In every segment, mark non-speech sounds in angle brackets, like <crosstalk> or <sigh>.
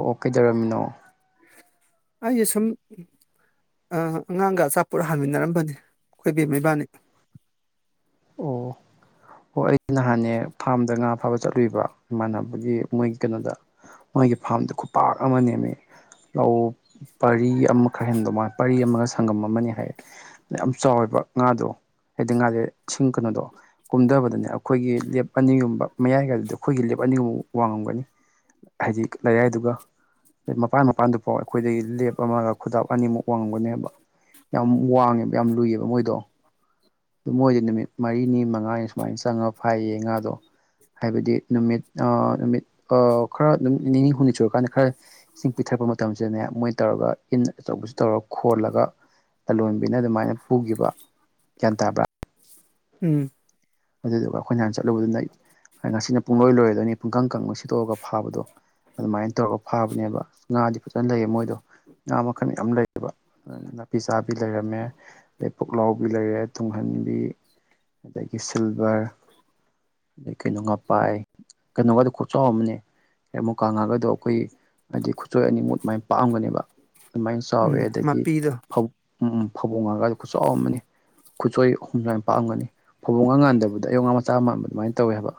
ꯑꯣ ꯀꯩꯗꯧꯔꯝꯃꯤꯅꯣ ꯑꯩꯁꯦ ꯁꯨꯝ ꯑ ꯑꯉꯥꯡꯒ ꯑꯆꯥꯄꯣꯠ ꯍꯥꯟꯃꯤꯟꯅꯔꯝꯕꯅꯦ ꯑꯩꯈꯣꯏ ꯕꯦꯝꯃ ꯏꯕꯥꯟꯅꯤ <unintelligible> ꯍꯣꯏ ꯑꯩ ꯅꯍꯥꯟꯅꯦ ꯐꯥꯝꯗ ꯉꯥ ꯐꯥꯕ ꯆꯠꯂꯨꯏꯕ ꯏꯃꯥꯟꯅꯕꯒꯤ ꯃꯣꯏ ꯀꯩꯅꯣꯗ ꯃꯣꯏꯒꯤ ꯐꯥꯝꯗꯣ ꯈꯨꯄꯥꯛ ꯑꯃꯅꯦ ꯃꯤ ꯂꯧ ꯄꯔꯤ ꯑꯃ ꯈꯔ ꯍꯦꯟꯕ ꯃꯥꯜꯂꯦ ꯄꯔꯤ ꯑꯃꯒ ꯁꯪꯉꯝ ꯑꯃꯅꯦ ꯍꯥꯏꯌꯦ ꯌꯥꯝ ꯆꯥꯎꯋꯦꯕ ꯉꯥꯗꯣ ꯍꯥꯏꯗꯤ ꯉꯥꯁꯦ ꯢꯁꯤꯡ ꯀꯩꯅꯣꯗꯣ ꯀꯨꯝꯗꯕꯗꯅꯦ ꯑꯩꯈꯣꯏꯒꯤ ꯂꯦꯞ ꯑꯅꯤꯒꯨꯝꯕ ꯃꯌꯥꯏꯒꯗꯨ ꯑꯩꯈꯣꯏꯒꯤ ꯂꯦꯞ ꯑꯅꯤꯒꯨꯝꯕ ꯋꯥꯡꯉꯝꯒꯅꯤ ꯍꯥꯏꯗꯤ ꯂꯩꯔꯥꯏꯗꯨꯒ ꯃꯄꯥꯟ ꯃꯄꯥꯟꯗꯨꯐꯥꯎ ꯑꯩꯈꯣꯏꯗꯒꯤ ꯂꯦꯞ ꯑꯃꯒ ꯈꯨꯗꯞ ꯑꯅꯤꯃꯨꯛ ꯋꯥꯡꯉꯝꯒꯅꯦꯕ ꯌꯥꯝ ꯋꯥꯡꯉꯦꯕ ꯌꯥꯝ ꯂꯨꯏꯑꯦꯕ ꯃꯣꯏꯗꯣ ꯃꯣꯏꯗꯤ ꯅꯨꯃꯤꯠ ꯃꯔꯤꯅꯤ ꯃꯉꯥꯅꯤ ꯁꯨꯃꯥꯏ ꯆꯪꯉ ꯐꯥꯢꯌꯦ ꯉꯥꯗꯣ ꯍꯥꯏꯕꯗꯤ ꯅꯨꯃꯤꯠ ꯑꯥ ꯅꯨꯃꯤꯠ ꯑ ꯈꯔꯥ ꯅꯨꯃꯤꯠ ꯅꯤꯅꯤ ꯍꯨꯝꯅꯤ ꯁꯨꯔꯀꯥꯟꯗ ꯈꯔꯥ ꯏꯁꯤꯡ ꯄꯤꯊꯔꯛꯄ ꯃꯇꯝꯁꯤꯗꯅꯦ ꯃꯣꯏ ꯇꯧꯔꯒ ꯏꯟ ꯑꯆꯧꯕꯁꯤ ꯇꯧꯔꯒ ꯈꯣꯜꯂꯒ ꯂꯂꯣꯟꯕꯤꯅ ꯑꯗꯨꯃꯥꯏꯅ ꯄꯨꯈꯤꯕ ꯒꯌꯥꯟ ꯇꯥꯕ꯭ꯔꯥ ꯎꯝ ꯑꯗꯨꯗꯨꯒ ꯑꯩꯈꯣꯏꯅ ꯅꯍꯥꯟ ꯆꯠꯂꯨꯕꯗꯨꯅ ꯉꯁꯤꯅ ꯄꯨꯡꯂꯣꯏ ꯂꯣꯏꯔꯗꯣꯏꯅꯤ ꯄꯨꯡꯀꯪ ꯀꯪꯕ ꯁꯤꯠꯇꯣꯛꯑꯒ ꯐꯥꯕꯗꯣ ꯑꯗꯨꯃꯥꯏꯅ ꯇꯧꯔꯒ ꯐꯥꯕꯅꯦꯕ ꯉꯥꯗꯤ ꯐꯖꯅ ꯂꯩꯌꯦ ꯃꯣꯏꯗꯣ ꯉꯥ ꯃꯈꯜ ꯌꯥꯝ ꯂꯩꯌꯦꯕ ꯑꯗꯨꯅ ꯅꯥꯄꯤ ꯆꯥꯕꯤ ꯂꯩꯔꯝꯃꯦ ꯑꯗꯩ ꯄꯨꯛꯂꯥꯎꯕꯤ ꯂꯩꯔꯦ ꯇꯨꯡꯍꯟꯕꯤ ꯑꯗꯒꯤ ꯁꯤꯜꯚꯔ ꯑꯗꯩ ꯀꯩꯅꯣ ꯉꯄꯥꯏ ꯀꯩꯅꯣꯒꯗꯨ ꯈꯨꯆꯥꯎ ꯑꯃꯅꯦ ꯗꯩ ꯃꯨꯛꯀꯥꯉꯥꯒꯗꯣ ꯈꯣꯏ ꯍꯥꯏꯗꯤ ꯈꯨꯠꯆꯣꯏ ꯑꯅꯤꯃꯨꯠ ꯃꯥꯏꯅ ꯄꯥꯑꯝꯒꯅꯦꯕ ꯑꯗꯨꯃꯥꯏ ꯎꯝ ꯆꯥꯎꯋꯦ ꯑꯗꯒꯤ ꯃꯄꯤꯗꯣ ꯐꯧ ꯑꯨꯝ ꯐꯕꯣꯡꯉꯥꯒꯗꯣ ꯈꯨꯠꯆꯧ ꯑꯃꯅꯤ ꯈꯨꯠꯆꯣꯏ ꯑꯍꯨꯝ ꯑꯗꯥꯏꯃꯨꯛ ꯄꯥꯛꯑꯝꯒꯅꯤ ꯐꯕꯣꯡꯉꯥ ꯃꯥꯟꯗꯕꯗ ꯑꯌꯣꯛ ꯉꯥ ꯃꯆꯥ ꯃꯥꯟꯕ ꯑꯗꯨꯃꯥꯏꯅ ꯇꯧꯋꯦ ꯍꯥꯏꯕ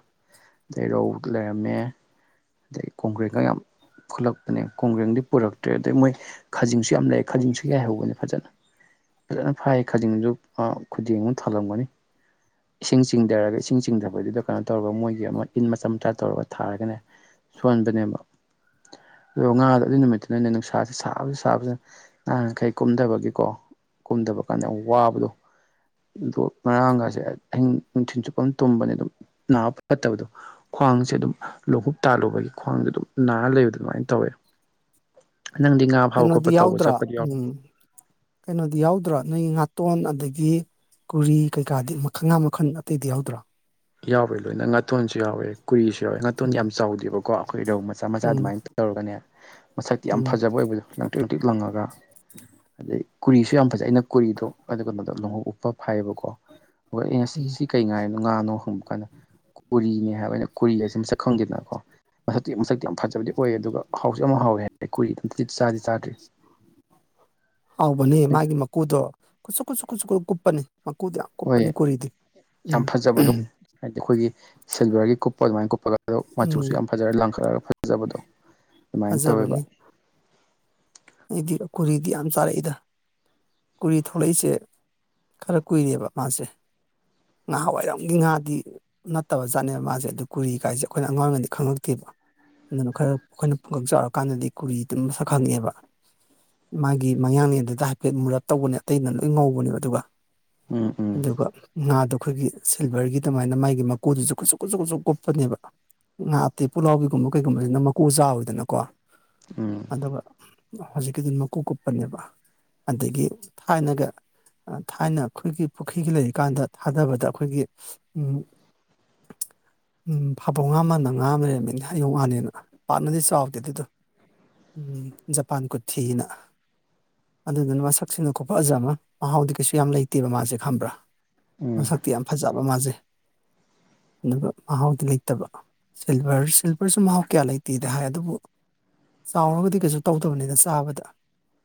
ꯑꯗꯩ ꯔꯧ ꯂꯩꯔꯝꯃꯦ ꯑꯗꯩ ꯀꯣꯡꯒꯔ꯭ꯦꯡꯒ ꯌꯥꯝ ꯈꯨꯠꯂꯛꯄꯅꯦ ꯀꯣꯡꯒ꯭ꯔꯦꯡꯗꯤ ꯄꯨꯔꯛꯇ꯭ꯔꯦ ꯑꯗꯩ ꯃꯣꯏ ꯈꯥꯖꯤꯡꯁꯨ ꯌꯥꯝ ꯂꯩ ꯈꯥꯖꯤꯡꯁꯨ ꯌꯥꯏꯍꯧꯕꯅꯦ ꯐꯖꯅ ꯐꯖꯅ ꯐꯥꯏꯌꯦ ꯈꯖꯤꯡꯁꯨ ꯑꯥ ꯈꯨꯗꯦꯡ ꯑꯃ ꯊꯜꯂꯝꯒꯅꯤ ꯏꯁꯤꯡ ꯆꯤꯡꯙꯔꯒ ꯏꯁꯤꯡ ꯆꯤꯡꯙꯕꯖꯤꯗ ꯀꯩꯅꯣ ꯇꯧꯔꯒ ꯃꯣꯏꯒꯤ ꯑꯃ ꯏꯟ ꯃꯆꯥ ꯃꯆꯥ ꯇꯧꯔꯒ ꯊꯥꯔꯒꯅꯦ ꯁꯣꯟꯕꯅꯦꯕ ꯑꯗꯨꯒ ꯉꯥꯗꯣ ꯑꯗꯨꯏ ꯅꯨꯃꯤꯠꯇꯨꯅ ꯅꯦ ꯅꯨꯡꯁꯥꯁꯦ ꯁꯥꯕꯁꯤ ꯁꯥꯕꯁꯤꯅ ꯅꯍꯥꯟꯈꯩ ꯀꯨꯝꯗꯕꯒꯤꯀꯣ ꯀꯨꯝꯗꯕ ꯀꯥꯟꯗ ꯌꯥꯝ ꯋꯥꯕꯗꯣ ꯑꯗꯣ ꯉꯔꯥꯡꯒꯁꯦ ꯑꯍꯤꯡ ꯅꯨꯡꯊꯤꯟ ꯆꯨꯞꯄ ꯑꯃ ꯇꯨꯝꯕꯅꯦ ꯑꯗꯨꯝ ꯅꯥꯕ ꯐꯠꯇꯕꯗꯣ ꯈ꯭ꯋꯥꯡꯁꯦ ꯑꯗꯨꯝ ꯂꯣꯡꯍꯨꯞ ꯇꯥꯜꯂꯨꯕꯒꯤ ꯈ꯭ꯋꯥꯡꯖꯦ ꯑꯗꯨꯝ ꯅꯥꯔ ꯂꯩꯕꯗꯣ ꯑꯗꯨꯃꯥꯏꯅ ꯇꯧꯋꯦ ꯅꯪꯗꯤ ꯉꯥ ꯐꯥꯕ ꯈꯣꯠꯄ ꯀꯩꯅꯣꯗꯤ ꯇꯧꯕ ꯌꯥꯎꯗ꯭ꯔꯣ ꯆꯠꯄꯗꯤ ꯌꯥꯎ ꯎꯝ ꯀꯩꯅꯣꯗꯤ ꯌꯥꯎꯗ꯭ꯔꯣ ꯅꯣꯏꯒꯤ ꯉꯥꯇꯣꯟ ꯑꯗꯒꯤ ꯀꯨꯔꯤ ꯀꯩꯀꯥꯗꯤ ꯃꯈꯟ ꯉꯥ ꯃꯈꯜ ꯑꯇꯩꯗꯤ ꯌꯥꯎꯗ꯭ꯔꯣ ꯌꯥꯎꯋꯦ ꯂꯣꯏꯅ ꯉꯥꯇꯣꯟꯁꯨ ꯌꯥꯎꯔꯦ ꯀꯨꯔꯤꯁꯨ ꯌꯥꯎꯋꯦ ꯉꯥꯇꯣꯟꯗꯤ ꯎꯝ ꯌꯥꯝ ꯆꯥꯎꯗꯦꯕꯀꯣ ꯑꯩꯈꯣꯏ ꯔꯧ ꯃꯆꯥ ꯃꯆꯥ ꯎꯝ ꯑꯗꯨꯃꯥꯏꯅ ꯇꯧꯔꯒꯅꯦ ꯃꯁꯛꯇꯤ ꯌꯥꯝ ꯎꯝ ꯐꯖꯕ ꯑꯣꯏꯕꯗꯣ ꯂꯪꯇ꯭ꯔꯤꯛ ꯂꯪꯇ꯭ꯔꯤꯛ ꯂꯪꯉꯒ ꯑꯗꯩ ꯀꯨꯔꯤꯁꯨ ꯌꯥꯝ ꯐꯖꯩ ꯑꯩꯅ ꯀꯨꯔꯤꯗꯣ ꯑꯗꯨ ꯒꯨꯝꯕꯗꯣ ꯂꯣꯡꯎꯞ ꯎꯞꯄ ꯐꯥꯏꯌꯦꯕꯀꯣ ꯍꯣꯏ ꯑꯩꯅ ꯎꯝ ꯁꯤ ꯀꯩ ꯉꯥꯏꯔꯤꯅꯣ ꯉꯥꯅꯣ ꯍꯪꯕ ꯀꯥꯟꯗ ꯀꯨꯔꯤꯅꯦ ꯍꯥꯏꯕ ꯑꯩꯅ ꯀꯨꯔꯤꯒꯁꯦ ꯃꯁꯛ ꯈꯪꯗꯦꯗꯅꯀꯣ ꯃꯁꯛꯇꯤ ꯃꯁꯛꯇꯤ ꯌꯥꯝ ꯐꯖꯕꯗꯤ ꯑꯣꯏꯌꯦ ꯑꯗꯨꯒ ꯍꯥꯎꯁꯨ ꯌꯥꯝ ꯍꯥꯎꯋꯦ ꯍꯥꯏ ꯑꯩ ꯀꯨꯔꯤꯗꯨꯗꯤ ꯑꯝꯇꯗꯤ ꯆꯥꯗꯤ ꯆꯥꯗ꯭ꯔꯤ ꯍꯥꯎꯕꯅꯦ ꯃꯥꯒꯤ ꯃꯀꯨꯗꯣ ꯀꯨꯁꯨ ꯀꯨꯁꯨ ꯀꯨꯁꯨ ꯀꯨꯞ ꯀꯨꯞꯄꯅꯦ ꯃꯀꯨꯗꯤ ꯌꯥꯝ ꯀꯨꯞꯄꯅꯤ ꯍꯣꯏ ꯀꯨꯔꯤꯗꯤ ꯎꯝ ꯌꯥꯝ ꯐꯖꯕꯗꯣ ꯍꯥꯏꯗꯤ ꯑꯩꯈꯣꯏꯒꯤ ꯁꯤꯜꯚꯔꯒꯤ ꯀꯨꯞꯄ ꯑꯗꯨꯃꯥꯏꯅ ꯀꯨꯞꯄꯒ ꯑꯗꯣ ꯃꯆꯨꯁꯨ ꯎꯝ ꯌꯥꯝ ꯐꯖꯔꯒ ꯂꯪꯈꯠꯂꯒ ꯐꯖꯕꯗꯣ ꯑꯗꯨꯃꯥꯏꯅ ꯇꯧꯋꯦꯕ ꯐꯖꯕꯅꯤ ꯑꯩꯗꯤ ꯀꯨꯔꯤꯗꯤ ꯌꯥꯝ ꯆꯥꯔꯛꯏꯗ ꯀꯨꯔꯤ ꯊꯣꯛꯂꯛꯏꯁꯦ ꯈꯔ ꯀꯨꯏꯔꯦꯕ ꯃꯥꯁꯦ ꯅꯍꯥꯟꯋꯥꯏꯔꯝꯒꯤ ꯉꯥꯗꯤ ꯅꯠꯇꯕ ꯖꯥꯠꯅꯦꯕ ꯃꯥꯁꯦ ꯑꯗꯨ ꯀꯨꯔꯤ ꯀꯥꯏꯁꯦ ꯑꯩꯈꯣꯏꯅ ꯑꯉꯥꯡ ꯑꯣꯏꯔꯤꯉꯩꯗ ꯈꯪꯉꯛꯇꯦꯕ ꯑꯗꯨꯅ ꯈꯔ ꯑꯩꯈꯣꯏꯅ ꯄꯨꯡꯀꯛ ꯆꯥꯎꯔ ꯀꯥꯟꯗꯗꯤ ꯀꯨꯔꯤ ꯑꯗꯨꯝ ꯃꯁꯛ ꯈꯪꯉꯛꯑꯦꯕ ꯃꯥꯒꯤ ꯃꯌꯥꯡꯂꯦꯟꯗꯨꯗ ꯍꯥꯏꯐꯦꯠ ꯃꯨꯔꯞ ꯇꯧꯕꯅꯦ ꯑꯇꯩꯅ ꯂꯣꯏ ꯉꯧꯕꯅꯦ ꯑꯗꯨꯒ ꯎꯝ ꯎꯝ ꯑꯗꯨꯒ ꯉꯥꯗꯣ ꯑꯩꯈꯣꯏꯒꯤ ꯁꯤꯜꯚꯔꯒꯤ ꯑꯗꯨꯃꯥꯏꯅ ꯃꯥꯒꯤ ꯃꯀꯨꯗꯨꯁꯨ ꯀꯨꯁꯨ ꯀꯨꯁꯨ ꯀꯨꯁꯨ ꯀꯨꯞꯄꯅꯦꯕ ꯉꯥꯗꯤ ꯄꯨꯛꯂꯥꯎꯕꯤꯒꯨꯝꯕ ꯀꯩꯒꯨꯝꯕꯁꯤꯅ ꯃꯀꯨ ꯆꯥꯎꯋꯤꯗꯅ ꯀꯣ ꯎꯝ ꯑꯗꯨꯒ ꯍꯧꯖꯤꯛꯀꯤꯗꯤ ꯃꯀꯨ ꯀꯨꯞꯄꯅꯦꯕ ꯑꯗꯒꯤ ꯊꯥꯏꯅꯒ ꯊꯥꯏꯅ ꯑꯩꯈꯣꯏꯒꯤ ꯄꯨꯈ꯭ꯔꯤꯒ ꯂꯩꯔꯤꯀꯥꯟꯗ ꯊꯥꯗꯕꯗ ꯑꯩꯈꯣꯏꯒꯤ ꯎꯝ ꯐꯥꯕꯧ ꯉꯥ ꯃꯥꯟꯕ ꯉꯥ ꯑꯃ ꯂꯩꯔꯝꯒꯅꯤ ꯑꯌꯣꯛ ꯉꯥꯅꯦꯅ ꯄꯥꯛꯅꯗꯤ ꯆꯥꯎꯗꯦ ꯑꯗꯨꯗꯣ ꯎꯝ ꯖꯄꯥꯟ ꯀꯨꯊꯤꯅ ꯑꯗꯨꯗꯨꯅ ꯃꯁꯛ ꯃꯁꯛꯁꯤꯅ ꯈꯨꯐꯖ ꯑꯃ ꯃꯍꯥꯎꯗꯤ ꯀꯩꯁꯨ ꯌꯥꯝ ꯂꯩꯇꯦꯕ ꯃꯥꯁꯦ ꯈꯪꯕ꯭ꯔꯥ ꯎꯝ ꯃꯁꯛꯇꯤ ꯌꯥꯝ ꯐꯖꯕ ꯃꯥꯖꯦ ꯑꯗꯨꯒ ꯃꯍꯥꯎꯗꯤ ꯂꯩꯇꯕ ꯁꯤꯜꯚꯔ ꯁꯤꯜꯚꯔꯁꯨ ꯃꯍꯥꯎ ꯀꯌꯥ ꯂꯩꯇꯦꯗꯤ ꯍꯥꯏ ꯑꯗꯨꯕꯨ ꯆꯥꯎꯔꯒꯗꯤ ꯀꯩꯁꯨ ꯇꯧꯗꯕꯅꯤꯗ ꯆꯥꯕꯗ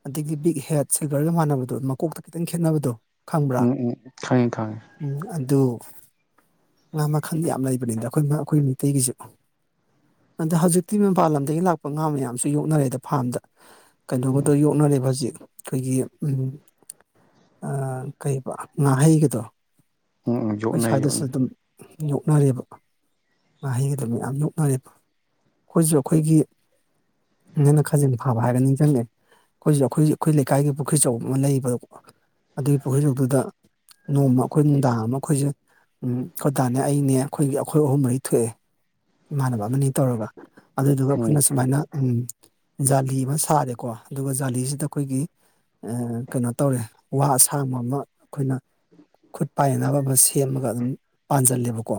ꯑꯗꯒꯤ ꯕꯤꯛ ꯍꯦꯠꯁ ꯁꯤꯜꯚꯔꯒ ꯃꯥꯟꯅꯕꯗꯣ ꯃꯀꯣꯛꯇ ꯈꯤꯇꯪ ꯈꯦꯠꯅꯕꯗꯣ ꯈꯪꯕ꯭ꯔꯥ ꯎꯝ ꯎꯝ ꯈꯪꯉꯦ ꯈꯪꯉꯦ ꯎꯝ ꯑꯗꯨ ꯉꯥ ꯃꯈꯜ ꯌꯥꯝ ꯂꯩꯕꯅꯤꯗ ꯑꯩꯈꯣꯏ ꯑꯩꯈꯣꯏ ꯃꯩꯇꯩꯒꯤꯁꯨ ꯑꯗ ꯍꯧꯖꯤꯛꯇꯤ ꯃꯄꯥꯟ ꯂꯝꯗꯒꯤ ꯂꯥꯛꯄ ꯉꯥ ꯃꯌꯥꯝꯁꯨ ꯌꯣꯛꯅꯔꯦꯗ ꯐꯥꯝꯗ ꯀꯩꯅꯣꯒꯗꯣ ꯎꯝ ꯌꯣꯛꯅꯔꯦꯕ ꯍꯧꯖꯤꯛ ꯑꯩꯈꯣꯏꯒꯤ ꯀꯩꯕ ꯉꯥꯍꯩꯒꯗꯣ ꯎꯝ ꯎꯝ ꯑꯩꯈꯣꯏ ꯌꯣꯛꯅꯩ ꯁ꯭ꯋꯥꯏꯗꯁꯨ ꯌꯣꯛꯅꯩ ꯑꯗꯨꯝ ꯌꯣꯛꯅꯔꯦꯕ ꯉꯥꯍꯩꯒꯗꯣ ꯃꯌꯥꯝ ꯌꯣꯛꯅꯔꯦꯕ ꯑꯩꯈꯣꯏꯁꯨ ꯑꯩꯈꯣꯏꯒꯤ ꯅꯪꯅ ꯈꯖꯤꯡ ꯐꯥꯕ ꯍꯥꯏꯔꯒ ꯅꯤꯡꯖꯤꯡꯉꯦ ꯑꯩꯈꯣꯏꯖꯨ ꯑꯩꯈꯣꯏꯖꯨ ꯑꯩꯈꯣꯏ ꯂꯩꯀꯥꯏꯒꯤ ꯄꯨꯈ꯭ꯔꯤ ꯑꯆꯧꯕ ꯑꯃ ꯂꯩꯕꯀꯣ ꯑꯗꯨꯒꯤ ꯄꯨꯈ꯭ꯔꯤ ꯑꯆꯧꯕꯗꯨꯨꯗ ꯅꯣꯡꯃ ꯑꯩꯈꯣꯏ ꯅꯨꯡꯗꯥꯡ ꯑꯃ ꯑꯩꯈꯣꯏꯁꯦ ꯎꯝ ꯑꯩꯈꯣꯏ ꯀꯥꯅꯦ ꯑꯩꯅꯦ ꯑꯩꯈꯣꯏꯒꯤ ꯑꯩꯈꯣꯏ ꯑꯍꯨꯝ ꯃꯔꯤ ꯊꯣꯛꯑꯦ ꯏꯃꯥꯟꯅꯕ ꯑꯃ ꯑꯅꯤ ꯇꯧꯔꯒ ꯑꯗꯨꯗꯨꯒ ꯎꯝ ꯑꯩꯈꯣꯏꯅ ꯁꯨꯃꯥꯏꯅ ꯎꯝ ꯖꯥꯂꯤ ꯑꯃ ꯁꯥꯔꯦꯀꯣ ꯑꯗꯨꯒ ꯖꯥꯂꯤꯁꯤꯗ ꯑꯩꯈꯣꯏꯒꯤ ꯀꯩꯅꯣ ꯇꯧꯔꯦ ꯋꯥ ꯑꯁꯥꯡꯕ ꯑꯃ ꯑꯩꯈꯣꯏꯅ ꯈꯨꯠ ꯄꯥꯏꯅꯅꯕ ꯑꯃ ꯁꯦꯝꯃꯒ ꯑꯗꯨꯝ ꯄꯥꯟꯁꯤꯜꯂꯦꯕꯀꯣ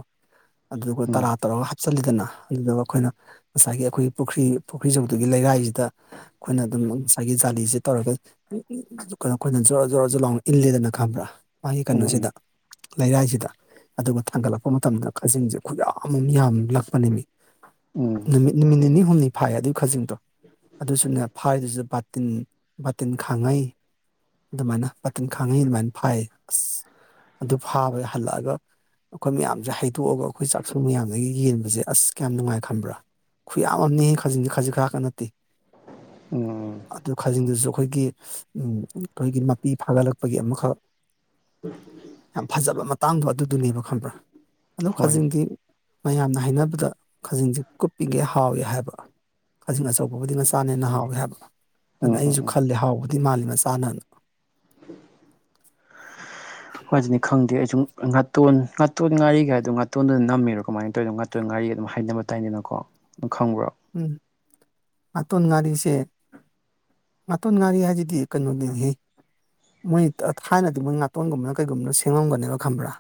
ꯑꯗꯨꯗꯨꯒ ꯎꯝ ꯇꯔꯥ ꯇꯧꯔꯒ ꯍꯥꯞꯆꯤꯜꯂꯦꯗꯅ ꯑꯗꯨꯗꯨꯒ ꯑꯩꯈꯣꯏꯅ ꯉꯁꯥꯏꯒꯤ ꯑꯩꯈꯣꯏꯒꯤ ꯄꯨꯈ꯭ꯔꯤ ꯄꯨꯈ꯭ꯔꯤ ꯑꯆꯧꯕꯗꯨꯒꯤ ꯂꯩꯔꯥꯏꯁꯤꯗ ꯑꯩꯈꯣꯏꯅ ꯑꯗꯨꯝ ꯉꯁꯥꯏꯒꯤ ꯖꯥꯂꯤꯁꯦ ꯇꯧꯔꯒ ꯀꯩꯅꯣ ꯑꯩꯈꯣꯏꯅ ꯖꯣꯔ ꯖꯣꯔ ꯂꯥꯎꯅ ꯏꯜꯂꯦꯗꯅ ꯈꯪꯕ꯭ꯔꯥ ꯃꯥꯒꯤ ꯎꯝ ꯎꯝ ꯀꯩꯅꯣꯁꯤꯗ ꯂꯩꯔꯥꯏꯁꯤꯗ ꯑꯗꯨꯒ ꯊꯥꯡꯒꯠꯂꯛꯄ ꯃꯇꯝꯗ ꯈꯥꯖꯤꯡꯁꯦ ꯈꯨꯌꯥꯝ ꯑꯃ ꯌꯥꯝ ꯂꯛꯄꯅꯦꯃꯦ ꯎꯝ ꯅꯨꯃꯤꯠ ꯅꯨꯃꯤꯠ ꯅꯤꯅꯤ ꯍꯨꯝꯅꯤ ꯐꯥꯏ ꯑꯗꯨꯒꯤ ꯈꯖꯤꯡꯗꯣ ꯑꯗꯨꯁꯨ ꯐꯥꯏꯗꯨꯁꯨ ꯕꯥꯇꯤꯟ ꯕꯥꯇꯤꯟ ꯈꯥꯡꯉꯩ ꯑꯗꯨꯃꯥꯏꯅ ꯕꯥꯇꯤꯟ ꯈꯥꯡꯉꯤ ꯑꯗꯨꯃꯥꯏꯅ ꯐꯥꯏꯌꯦ ꯑꯁ ꯑꯗꯨ ꯐꯥꯕ ꯍꯜꯂꯛꯑꯒ ꯑꯩꯈꯣꯏ ꯃꯌꯥꯝꯁꯦ ꯍꯩꯗꯣꯛꯑꯒ ꯑꯩꯈꯣꯏ ꯆꯥꯛꯁꯪ ꯃꯌꯥꯝꯗꯒꯤ ꯌꯦꯟꯕꯁꯦ ꯑꯁ ꯀꯌꯥꯝ ꯅꯨꯡꯉꯥꯏ ꯈꯪꯕ꯭ꯔꯥ ꯈꯨꯌꯥꯝ ꯑꯃꯅꯦꯍꯦ ꯈꯖꯤꯛꯖꯦ ꯈꯖꯤꯛ ꯈꯔꯛꯀ ꯅꯠꯇꯦ ꯎꯝ ꯑꯗꯨ ꯈꯥꯖꯤꯡꯗꯨꯁꯨ ꯑꯩꯈꯣꯏꯒꯤ ꯎꯝ ꯑꯩꯈꯣꯏꯒꯤ ꯃꯄꯤ ꯐꯥꯒꯠꯂꯛꯄꯒꯤ ꯑꯃꯈꯛ ꯌꯥꯝ ꯐꯖꯕ ꯃꯇꯥꯡꯗꯣ ꯑꯗꯨꯗꯨꯅꯦꯕ ꯈꯪꯕ꯭ꯔꯥ ꯑꯗꯨ ꯍꯣꯏꯅꯦ ꯈꯖꯤꯡꯗꯤ ꯃꯌꯥꯝꯅ ꯍꯥꯏꯅꯕꯗ ꯈꯖꯤꯡꯁꯦ ꯀꯨꯞꯄꯤꯒꯩ ꯍꯥꯎꯋꯦ ꯍꯥꯏꯕ ꯈꯖꯤꯡ ꯑꯆꯧꯕꯕꯨꯗꯤ ꯃꯆꯥꯅ ꯍꯦꯟꯅ ꯍꯥꯎꯋꯦ ꯍꯥꯏꯕ ꯑꯗꯨꯅ ꯎꯝ ꯎꯝ ꯑꯩꯁꯨ ꯎꯝ ꯈꯜꯂꯦ ꯍꯥꯎꯕꯗꯤ ꯃꯥꯜꯂꯤ ꯃꯆꯥꯅꯅ ꯍꯣꯏ ꯑꯗꯨꯅꯤ ꯈꯪꯗꯦ ꯑꯩꯁꯨꯨꯝ ꯉꯥꯇꯣꯟ ꯉꯥꯇꯣꯟ ꯉꯥꯔꯤꯒꯥꯏꯗꯣ ꯉꯥꯇꯣꯟꯗꯨꯅ ꯅꯝꯃꯤꯔꯣ ꯀꯃꯥꯏꯅ ꯇꯧꯔꯤꯅꯣ ꯉꯥꯔꯤ ꯑꯗꯨꯝ ꯍꯥꯏꯅꯕ ꯇꯥꯏꯅꯦꯅꯀꯣ ꯑꯗꯨ ꯈꯪꯕ꯭ꯔꯣ ꯎꯝ ꯉꯥꯇꯣꯟ ꯉꯥꯔꯤꯁꯦ ꯉꯥꯇꯣꯟ ꯉꯥꯔꯤ ꯍꯥꯏꯖꯤꯗꯤ ꯀꯩꯅꯣꯗꯨꯅꯤꯍꯦ ꯃꯣꯏ ꯊꯥꯏꯅꯗꯤ ꯃꯣꯏ ꯉꯥꯇꯣꯟꯒꯨꯝꯕꯅ ꯀꯩꯒꯨꯝꯕꯅ ꯁꯦꯝꯃꯝꯒꯅꯦꯕ ꯈꯝꯕ꯭ꯔꯥ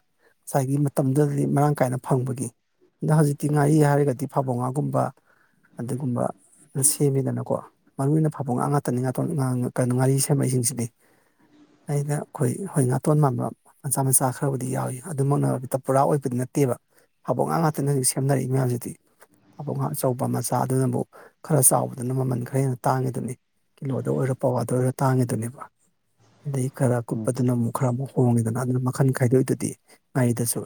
ꯉꯁꯥꯏꯒꯤ ꯃꯇꯝꯗꯨꯗꯗꯤ ꯃꯔꯥꯡ ꯀꯥꯏꯅ ꯐꯪꯕꯒꯤ ꯑꯗ ꯍꯧꯖꯤꯛꯇꯤ ꯉꯥꯔꯤ ꯍꯥꯏꯔꯒꯗꯤ ꯐꯕꯣꯡꯉꯥꯒꯨꯝꯕ ꯑꯗꯨꯒꯨꯝꯕ ꯅ ꯁꯦꯝꯃꯦꯗꯅꯀꯣ ꯃꯔꯨ ꯑꯣꯏꯅ ꯐꯕꯣꯡꯉꯥꯥ ꯉꯥꯇꯅꯦ ꯉꯥꯇꯣꯟ ꯉꯥꯉ ꯀꯅꯣ ꯉꯥꯔꯤ ꯁꯦꯝꯃꯛꯏꯖꯤꯡꯖꯤꯗꯤ ꯑꯩꯅ ꯑꯩꯈꯣꯏ ꯍꯣꯏ ꯉꯥꯇꯣꯟ ꯃꯥꯟꯕ ꯃꯆꯥ ꯃꯆꯥ ꯈꯔꯕꯨꯗꯤ ꯌꯥꯎꯏ ꯑꯗꯨꯃꯛꯅ ꯄꯨꯔꯥ ꯑꯣꯏꯕꯗꯤ ꯅꯠꯇꯦꯕ ꯍꯥꯕꯣꯡꯉꯥ ꯉꯥꯇꯅꯦ ꯍꯧꯖꯤꯛ ꯁꯦꯝꯅꯔꯤ ꯃꯌꯥꯝꯖꯤꯗꯤ ꯍꯥꯕꯣꯡꯉꯥ ꯑꯆꯧꯕ ꯃꯆ ꯑꯗꯨꯅꯕꯨ ꯈꯔ ꯆꯥꯎꯕꯗꯨꯅ ꯃꯃꯟ ꯈꯔ ꯍꯦꯟꯅ ꯇꯥꯡꯉꯤꯗꯨꯅꯤ ꯀꯤꯂꯣꯗ ꯑꯣꯏꯔꯣ ꯄꯋꯥꯗ ꯑꯣꯏꯔꯣ ꯇꯥꯡꯉꯤꯗꯨꯅꯦꯕ ꯑꯗꯩ ꯈꯔ ꯎꯝ ꯀꯨꯞꯄꯗꯨꯅ ꯑꯃꯨꯛ ꯈꯔ ꯑꯃꯨꯛ ꯍꯣꯡꯉꯤꯗꯅ ꯑꯗꯨꯅ ꯃꯈꯟ ꯈꯥꯏꯗꯣꯛꯏꯗꯨꯗꯤ ꯉꯥꯔꯤꯗꯁꯨ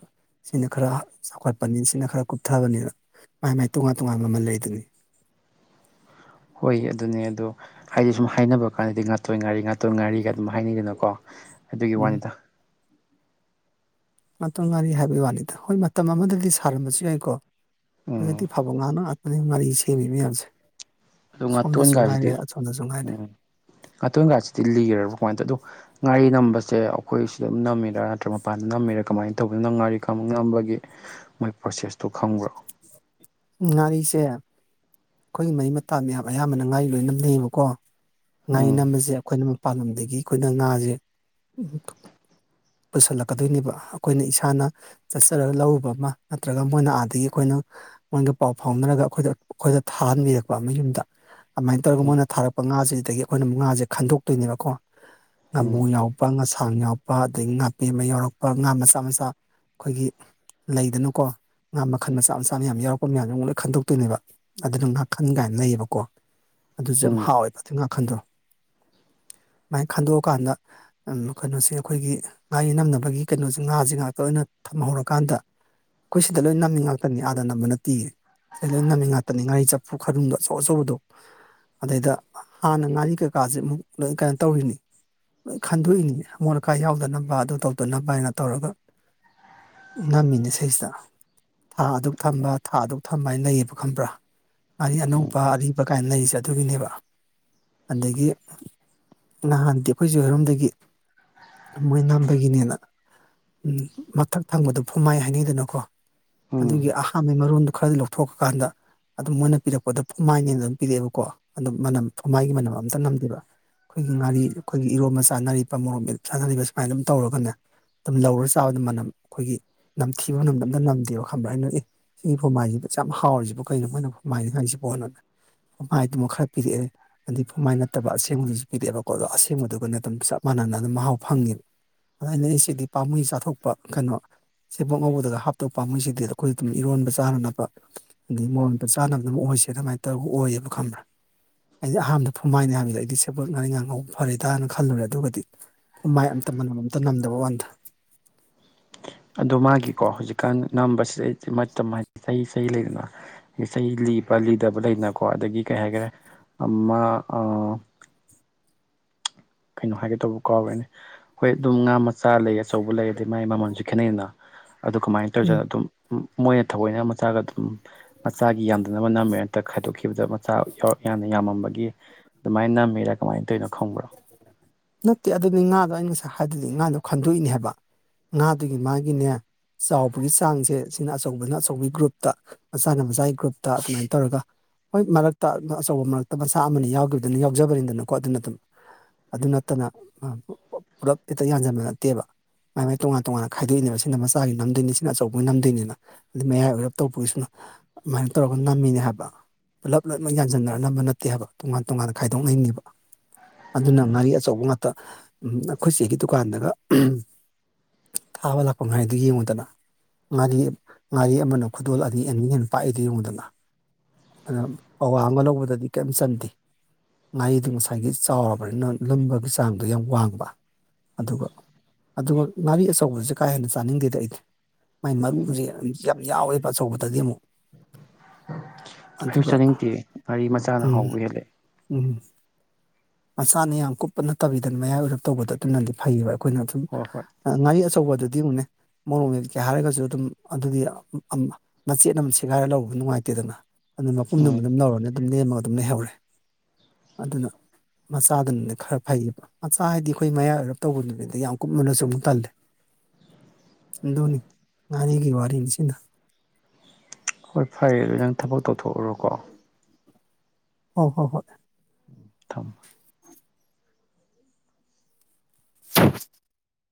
ꯁꯤꯅ ꯈꯔ ꯆꯥꯎꯈꯠꯄꯅꯤ ꯁꯤꯅ ꯈꯔ ꯀꯨꯞꯊꯕꯅꯤꯅ ꯃꯥꯏ ꯃꯥꯏ ꯇꯣꯉꯥꯟ ꯇꯣꯉꯥꯟꯕ ꯃꯃꯜ ꯂꯩꯗꯨꯅꯤ ꯍꯣꯏ ꯑꯗꯨꯅꯦ ꯑꯗꯣ ꯍꯥꯏꯗꯤ ꯁꯨꯝ ꯍꯥꯏꯅꯕ ꯀꯥꯟꯗꯗꯤ ꯉꯥꯇꯣꯟ ꯉꯥꯔꯤ ꯉꯥꯇꯣꯟ ꯉꯥꯔꯤꯒ ꯑꯗꯨꯝ ꯍꯥꯏꯅꯩꯗꯅꯀꯣ ꯑꯗꯨꯒꯤ ꯎꯝ ꯋꯥꯅꯤꯗ ꯉꯥꯛꯇꯣꯟ ꯉꯥꯔꯤ ꯍꯥꯏꯕꯩ ꯋꯥꯅꯤꯗ ꯍꯣꯏ ꯃꯇꯝ ꯑꯃꯗꯗꯤ ꯁꯥꯔꯝꯕꯁꯨ ꯌꯥꯏꯀꯣ ꯎꯝ ꯍꯧꯖꯤꯛꯇꯤ ꯐꯕꯣꯡꯉꯥꯅ ꯉꯥꯇꯅꯤ ꯉꯥꯔꯤ ꯁꯦꯝꯃꯤ ꯃꯌꯥꯝꯁꯦ ꯑꯗꯨ ꯁꯣꯝꯗꯁꯨ ꯉꯥꯇꯣꯟꯒꯥꯖꯤꯗꯤ ꯉꯥꯏꯔꯦ ꯑꯁꯣꯝꯗꯁꯨ ꯉꯥꯏꯔꯦ ꯎꯝ ꯉꯥꯇꯣꯟꯒꯥꯁꯤꯗꯤ ꯂꯤꯔꯕ ꯀꯃꯥꯏꯟ ꯇꯧ ꯑꯗꯨ <unintelligible> ꯃꯣꯏ ꯄ꯭ꯔꯣꯁꯦꯁꯇꯣ ꯈꯪꯕ꯭ꯔꯣ <inaudible> ꯉꯥꯔꯤꯁꯦ ꯑꯩꯈꯣꯏꯒꯤ ꯃꯔꯤ ꯃꯇꯥ ꯃꯌꯥꯝ ꯑꯌꯥꯝꯕꯅ ꯉꯥꯔꯤ ꯂꯣꯏ ꯅꯝꯅꯩꯑꯕꯀꯣ ꯉꯥꯔꯤ ꯎꯝ ꯅꯝꯕꯁꯦ ꯑꯩꯈꯣꯏꯅ ꯄꯥꯟꯂꯝꯗꯒꯤ ꯑꯩꯈꯣꯏꯅ ꯉꯥꯖꯦ ꯄꯨꯟꯁꯜꯂꯛꯀꯗꯣꯏꯅꯦꯕ ꯑꯩꯈꯣꯏꯅ ꯏꯁꯥꯅ ꯆꯠꯆꯔꯒ ꯂꯧꯔꯨꯕ ꯑꯃ ꯅꯠꯇ꯭ꯔꯒ ꯃꯣꯏꯅ ꯑꯥꯗꯒꯤ ꯑꯩꯈꯣꯏꯅ ꯃꯣꯏꯒ ꯄꯥꯎ ꯐꯥꯎꯅꯔꯒ ꯑꯩꯈꯣꯏꯗ ꯑꯩꯈꯣꯏꯗ ꯊꯥꯍꯟꯕꯤꯔꯛꯄ ꯑꯃ ꯌꯨꯝꯗ ꯑꯗꯨꯃꯥꯏꯟ ꯇꯧꯔꯒ ꯎꯝ ꯃꯣꯏꯅ ꯊꯥꯔꯛꯄ ꯉꯥꯁꯤꯗꯒꯤ ꯑꯩꯈꯣꯏꯅ ꯉꯥꯁꯦ ꯈꯟꯗꯣꯛꯇꯣꯏꯅꯦꯕꯀꯣ ꯎꯝ ꯉꯥꯃꯨ ꯌꯥꯎꯕ ꯉꯁꯥꯡ ꯌꯥꯎꯕ ꯑꯗꯩ ꯉꯥꯄꯦꯝꯃ ꯌꯥꯎꯔꯛꯄ ꯉꯥ ꯃꯆꯥ ꯃꯆꯥ ꯑꯩꯈꯣꯏꯒꯤ ꯂꯩꯗꯅꯀꯣ ꯉꯥ ꯃꯈꯟ ꯃꯆꯥ ꯃꯆꯥ ꯃꯌꯥꯝ ꯌꯥꯎꯔꯛꯄ ꯃꯌꯥꯝꯗꯣ ꯑꯃꯨꯛ ꯂꯣꯏ ꯈꯟꯗꯣꯛꯇꯣꯏꯅꯦꯕ ꯑꯗꯨꯅ ꯉꯥꯈꯟ ꯀꯥꯏꯅ ꯂꯩꯌꯦꯕꯀꯣ ꯑꯗꯨꯖꯨ ꯌꯥꯝ ꯎꯝ ꯍꯥꯎꯋꯦꯕ ꯑꯗꯨ ꯉꯥꯈꯟꯗꯣ ꯃꯥꯏ ꯈꯟꯗꯣꯛꯑꯀꯥꯟꯗ ꯑꯝ ꯀꯩꯅꯣꯁꯦ ꯑꯩꯈꯣꯏꯒꯤ ꯉꯥꯔꯤ ꯅꯝꯅꯕꯒꯤ ꯀꯩꯅꯣꯖꯦ ꯉꯥꯖꯦ ꯉꯥꯛꯇ ꯑꯣꯏꯅ ꯊꯝꯍꯧꯔꯀꯥꯟꯗ ꯑꯩꯈꯣꯏ ꯁꯤꯗ ꯂꯣꯏ ꯅꯝꯃꯤ ꯉꯥꯛꯇꯅꯤ ꯑꯥꯗ ꯅꯝꯕ ꯅꯠꯇꯤꯌꯦ ꯁꯤꯗ ꯂꯣꯏ ꯅꯝꯃꯤ ꯉꯥꯛꯇꯅꯤ ꯉꯥꯔꯤ ꯆꯐꯨ ꯈꯔꯨꯡꯗꯣ ꯑꯆꯧ ꯑꯆꯧꯕꯗꯣ ꯑꯗꯩꯗ ꯍꯥꯟꯅ ꯉꯥꯔꯤ ꯀꯩꯀꯥꯖꯦ ꯑꯃꯨꯛ ꯂꯣꯏ ꯀꯩꯅꯣ ꯇꯧꯔꯤꯅꯦ ꯂꯣꯏ ꯈꯟꯗꯣꯛꯏꯅꯤ ꯑꯃꯣꯠ ꯑꯀꯥꯏ ꯌꯥꯎꯗꯅꯕ ꯑꯗꯨ ꯇꯧꯗꯅꯕꯅꯥ ꯇꯧꯔꯒ ꯅꯝꯃꯤꯅꯦ ꯁꯩꯁꯤꯗ ꯊꯥ ꯑꯗꯨꯛ ꯊꯝꯕ ꯊꯥ ꯑꯗꯨꯛ ꯊꯝꯕꯅ ꯂꯩꯌꯦꯕ ꯈꯪꯕ꯭ꯔꯥ ꯉꯥꯔꯤ ꯑꯅꯧꯕ ꯑꯔꯤꯕ ꯀꯥꯏꯅ ꯂꯩꯖꯦ ꯑꯗꯨꯒꯤꯅꯦꯕ ꯑꯗꯒꯤ ꯅꯍꯥꯟꯗꯤ ꯑꯩꯈꯣꯏꯆꯦ ꯍꯣꯏꯔꯣꯝꯗꯒꯤ ꯃꯣꯏ ꯅꯝꯕꯒꯤꯅꯦꯅ ꯃꯊꯛ ꯊꯪꯕꯗꯣ ꯐꯨꯃꯥꯏ ꯍꯥꯏꯅꯩꯗꯅꯀꯣ ꯎꯝ ꯑꯗꯨꯒꯤ ꯑꯍꯥꯟꯕꯩ ꯃꯔꯣꯟꯗꯨ ꯈꯔꯗꯤ ꯂꯧꯊꯣꯛꯈꯀꯥꯟꯗ ꯑꯗꯨ ꯃꯣꯏꯅ ꯄꯤꯔꯛꯄꯗ ꯐꯨꯃꯥꯏꯅꯦꯅ ꯑꯗꯨꯝ ꯄꯤꯔꯛꯑꯦꯕꯀꯣ ꯑꯗꯨꯝ ꯃꯅꯝ ꯐꯨꯃꯥꯏꯒꯤ ꯃꯅꯝ ꯑꯝꯇ ꯅꯝꯗꯦꯕ ꯑꯩꯈꯣꯏꯒꯤ ꯉꯥꯔꯤ ꯑꯩꯈꯣꯏꯒꯤ ꯏꯔꯣꯝꯕ ꯆꯥꯅꯔꯤꯕ ꯃꯣꯔꯣꯛ ꯃꯦꯠꯄ ꯆꯥꯅꯔꯤꯕ ꯁꯨꯃꯥꯏꯅ ꯑꯗꯨꯝ ꯇꯧꯔꯒꯅꯦ ꯑꯗꯨꯝ ꯂꯧꯔ ꯆꯥꯕꯗ ꯃꯅꯝ ꯑꯩꯈꯣꯏꯒꯤ ꯅꯝꯊꯤꯕ ꯃꯅꯝ ꯑꯝꯇ ꯅꯝꯗꯦꯕ ꯈꯪꯕ꯭ꯔ ꯑꯩꯅ ꯑꯦ ꯁꯤꯒꯤ ꯐꯨꯝꯃꯥꯏꯖꯤꯗꯤ ꯑꯁꯨꯛꯌꯥꯝ ꯍꯥꯎꯔꯤꯖꯤꯕꯣ ꯀꯩꯅꯣ ꯃꯣꯏꯅ ꯐꯨꯝꯃꯥꯏꯅꯤ ꯍꯥꯏꯖꯤꯕꯣꯅ ꯐꯨꯃꯥꯏꯗꯨꯃꯨꯛ ꯈꯔ ꯄꯤꯔꯛꯑꯦ ꯑꯗꯨ ꯐꯨꯝꯃꯥꯏ ꯅꯠꯇꯕ ꯑꯁꯦꯡꯕꯗꯨꯖꯨ ꯄꯤꯔꯛꯑꯦꯕꯀꯣ ꯑꯗꯣ ꯑꯁꯦꯡꯗꯨꯒꯅ ꯑꯗꯨꯝ ꯆꯞ ꯃꯥꯟꯅꯅ ꯑꯗꯨꯝ ꯃꯍꯥꯎ ꯐꯪꯉꯦꯕ ꯑꯩ ꯅꯣꯏ ꯁꯤꯗꯤ ꯄꯥꯝꯃꯨꯏ ꯆꯥꯊꯣꯛꯄ ꯀꯩꯅꯣ ꯁꯦꯕꯣꯠ ꯉꯧꯕꯗꯒ ꯍꯥꯞꯇꯧ ꯄꯥꯝꯃꯨꯏ ꯁꯤꯗꯤ ꯑꯩꯈꯣꯏ ꯑꯗꯨꯝ ꯏꯔꯣꯟꯕ ꯆꯥꯅꯅꯕ ꯑꯗꯩ ꯃꯣꯔꯣꯛ ꯃꯦꯠꯄ ꯆꯥꯅꯕ ꯑꯗꯨꯝ ꯑꯣꯏꯁꯦꯅ ꯑꯃꯥꯏ ꯇꯧꯔꯒ ꯑꯣꯏꯌꯦꯕ ꯈꯪꯕ꯭ꯔꯥ ꯑꯩꯗꯤ ꯑꯍꯥꯟꯕꯗ ꯐꯨꯝꯃꯥꯏꯅꯦ ꯍꯥꯏꯕꯗꯨꯗ ꯑꯩꯗꯤ ꯁꯦꯕꯣꯠ ꯉꯥꯔꯤꯟꯒꯥ ꯉꯧꯕ ꯐꯔꯦꯗꯥꯅ ꯈꯜꯂꯨꯔꯦ ꯑꯗꯨꯒꯗꯤ ꯐꯨꯝꯃꯥꯏ ꯑꯝꯇ ꯃꯅꯝ ꯑꯝꯇ ꯅꯝꯗꯕ ꯋꯥꯟꯗ ꯑꯗꯣ ꯃꯥꯒꯤꯀꯣ ꯍꯧꯖꯤꯛꯀꯥꯟ ꯅꯝꯕꯁꯦ ꯑꯩꯗꯤ ꯃꯇꯝ ꯍꯥꯏꯗꯤ ꯆꯍꯤ ꯆꯍꯤ ꯂꯩꯗꯅ ꯆꯍꯤ ꯂꯤꯕ ꯂꯤꯗꯕ ꯂꯩꯗꯅꯀꯣ ꯑꯗꯒꯤ ꯀꯩ ꯍꯥꯏꯒꯔꯦ ꯑꯃ ꯑꯥ ꯀꯩꯅꯣ ꯍꯥꯏꯒꯦ ꯇꯧꯕ ꯀꯥꯎꯔꯦꯅꯦ ꯍꯣꯏ ꯑꯗꯨꯝ ꯉꯥ ꯃꯆꯥ ꯂꯩ ꯑꯆꯧꯕ ꯂꯩ ꯑꯗꯩ ꯃꯥꯥꯏ ꯃꯃꯜꯖꯨ ꯈꯦꯠꯅꯩꯅ ꯑꯗꯨ ꯀꯃꯥꯏ ꯎꯝ ꯇꯧꯖꯠꯅꯣ ꯑꯗꯨꯝ ꯃꯣꯏꯅ ꯊꯑꯣꯏꯅ ꯃꯆꯥꯒ ꯑꯗꯨꯝ ꯃꯆꯥꯒꯤ ꯌꯥꯝꯗꯅꯕ ꯅꯝꯃꯦ ꯑꯗ ꯈꯥꯏꯗꯣꯛꯈꯤꯕꯗ ꯃꯆꯥ ꯌꯥꯎꯔꯛ ꯌꯥꯝꯅ ꯌꯥꯝꯃꯝꯕꯒꯤ ꯑꯗꯨꯃꯥꯏ ꯅꯝꯃꯤꯔꯥ ꯀꯃꯥꯏ ꯇꯩꯅꯣ ꯈꯪꯕ꯭ꯔꯣ ꯅꯠꯇꯦ ꯑꯗꯨꯅꯤ ꯉꯥꯗꯣ ꯑꯩꯅ ꯉꯁꯥꯏ ꯍꯥꯏꯗꯨꯗꯤ ꯉꯥꯗꯣ ꯈꯟꯗꯣꯛꯏꯅꯦ ꯍꯥꯏꯕ ꯉꯥꯗꯨꯒꯤ ꯃꯥꯒꯤꯅꯦ ꯆꯥꯎꯕꯒꯤ ꯆꯥꯡꯖꯦ ꯁꯤꯅ ꯑꯆꯧꯕꯅ ꯑꯆꯧꯕꯩ ꯒ꯭ꯔꯨꯞꯇ ꯃꯆꯥꯅ ꯃꯆꯥꯒꯤ ꯒ꯭ꯔꯨꯞꯇ ꯑꯗꯨꯃꯥꯏ ꯇꯧꯔꯒ ꯍꯣꯏ ꯃꯔꯛꯇ ꯑꯆꯧꯕ ꯃꯔꯛꯇ ꯃꯆꯥ ꯑꯃꯅꯤ ꯌꯥꯎꯒꯤꯝꯗꯨꯅ ꯌꯥꯎꯖꯕꯅꯤꯗꯅꯀꯣ ꯑꯗꯨꯅ ꯑꯗꯨꯝ ꯑꯗꯨꯅ ꯅꯠꯇꯅ ꯄꯨꯂꯞ ꯍꯦꯛꯇ ꯌꯥꯟꯖꯟꯕ ꯅꯠꯇꯦꯕ ꯃꯥꯏ ꯃꯥꯏ ꯇꯣꯉꯥꯟ ꯇꯣꯉꯥꯟꯅꯥ ꯈꯏꯗꯣꯛꯏꯅꯦꯕ ꯁꯤꯅ ꯃꯆꯥꯒꯤ ꯅꯝꯗꯣꯏꯅꯤ ꯁꯤꯅ ꯑꯆꯧꯕꯒꯤ ꯅꯝꯗꯣꯏꯅꯤꯅ ꯑꯗꯩꯩ ꯃꯌꯥꯏ ꯑꯣꯏꯔꯞ ꯇꯧꯕꯩꯁꯤꯅ ꯑꯃꯥꯏꯅ ꯇꯧꯔꯒ ꯅꯝꯃꯤꯅꯦ ꯍꯥꯏꯕ ꯄꯨꯂꯞ ꯄꯨꯂꯞ ꯂꯣꯏ ꯌꯥꯟꯖꯟꯅꯔ ꯅꯝꯕ ꯅꯠꯇꯦ ꯍꯥꯏꯕ ꯇꯣꯉꯥꯟ ꯇꯣꯉꯥꯟꯅ ꯈꯥꯏꯗꯣꯛꯅꯩꯅꯤꯕ ꯑꯗꯨꯅ ꯉꯥꯔꯤ ꯑꯆꯧꯕ ꯉꯥꯛꯇ ꯑꯩꯈꯣꯏ ꯆꯦꯒꯤ ꯗꯨꯀꯥꯟꯗꯒ ꯊꯥꯕ ꯂꯥꯛꯄ ꯉꯥꯔꯤꯗꯣ ꯌꯦꯡꯉꯣꯗꯅ ꯉꯥꯔꯤ ꯉꯥꯔꯤ ꯑꯃꯅ ꯈꯨꯗꯣꯜ ꯑꯅꯤ ꯑꯅꯤ ꯍꯦꯟꯅ ꯄꯥꯛꯏꯗꯣ ꯌꯦꯡꯉꯨꯗꯅ ꯑꯗ‌ꯣ ꯄꯋꯥ ꯑꯝꯒ ꯂꯧꯕꯗꯗꯤ ꯀꯩꯝ ꯆꯟꯗꯦ ꯉꯥꯏꯗꯨ ꯉꯁꯥꯏꯒꯤ ꯆꯥꯎꯔꯕꯅꯤꯅ ꯂꯨꯝꯕꯒꯤ ꯆꯥꯡꯗꯣ ꯌꯥꯝ ꯋꯥꯡꯕ ꯑꯗꯨꯒ ꯑꯗꯨꯒ ꯉꯥꯔꯤ ꯑꯆꯧꯕꯁꯦ ꯀꯥ ꯍꯦꯟꯅ ꯆꯥꯅꯤꯡꯗꯦꯗꯤ ꯑꯩꯗꯤ ꯃꯥꯏ ꯃꯔꯨꯖ‌ꯦ ꯌꯥꯝ ꯌꯥꯎꯋꯦꯕ ꯑꯆꯧꯕꯗꯗꯤ ꯑꯃꯨꯛ ꯑꯩꯁꯨ ꯑꯗꯨꯒ ꯆꯥꯅꯤꯡꯇꯤꯌ‌ꯦ ꯉꯥꯔꯤ ꯃꯆꯥꯅ ꯎꯝ ꯍꯥꯎꯕ ꯍꯦꯜꯂ‌ꯦ ꯎꯝ ꯃꯆꯥꯅ‌ꯦ ꯌꯥꯝ ꯀꯨꯞꯄ ꯅꯠꯇꯕꯤꯗ ꯃꯌꯥꯏ ꯑꯣꯏꯔꯞ ꯇꯧꯕꯗ ꯑꯗꯨꯅꯗꯤ ꯐꯩꯌꯦꯕ ꯑꯩꯈꯣꯏꯅ ꯑꯗꯨꯨꯝ ꯍꯣꯏ ꯍꯣꯏ ꯑ‌ ꯉꯥꯔꯤ ꯑꯆꯧꯕ ꯑꯗꯨꯗꯤ ꯑꯃꯨꯛꯅꯦ ꯃꯣꯔꯣꯡ ꯃ‌ꯦꯠꯀ‌ꯦ ꯍꯥꯏꯔꯒꯖꯨ ꯑꯗꯨꯝ ꯑꯗꯨꯒꯤ ꯑꯝ ꯃꯆꯦꯠ ꯑꯃ ꯁꯦꯒꯥꯏꯔ ꯂꯧꯕꯗꯨ ꯅꯨꯡꯉꯥꯏꯇꯦꯗꯅ ꯑꯗꯨꯝ ꯃꯄꯨꯝꯗꯨꯃ ꯎꯝ ꯑꯗꯨꯝ ꯂꯧꯔꯅꯤ ꯑꯗꯨꯝ ꯅꯦꯝꯃꯒ ꯑꯗꯨꯝ ꯂꯩꯍꯧꯔꯦ ꯑꯗꯨꯅ ꯃꯆꯥꯗꯨꯅꯗꯤ ꯈꯔ ꯐꯩꯌꯦꯕ ꯃꯆꯥ ꯍꯥꯏꯗꯤ ꯑꯩꯈꯣꯏ ꯃꯌꯥꯏ ꯑꯣꯏꯔꯞ ꯇꯧꯕꯗꯨꯅꯤꯗ ꯌꯥꯝ ꯀꯨꯞꯃꯜꯂꯁꯨ ꯑꯃꯨꯛ ꯇꯜꯂꯤ ꯑꯗꯨꯅꯤ ꯉꯥꯔꯤꯒꯤ ꯋꯥꯔꯤꯟꯁꯤꯅ ꯍꯣꯏ ꯐꯔꯦ ꯑꯗꯨꯗꯤ ꯅꯪ ꯊꯕꯛ ꯇꯧꯊꯣꯛꯎꯔꯣꯀꯣ ꯑꯧ ꯍꯣꯏ ꯍꯣꯏ ꯊꯝꯃꯣ